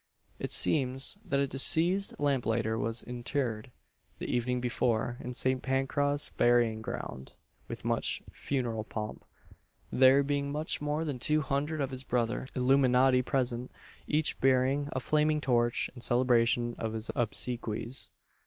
It seems that a deceased lamplighter was interred, the evening before, in St. Pancras' burying ground, with much funeral pomp there being more than two hundred of his brother illuminati present, each bearing a flaming torch in celebration of his obsequies.